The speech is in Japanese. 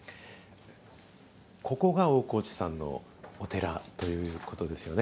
ここが大河内さんのお寺ということですよね。